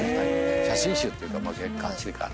写真集っていうか月刊誌か。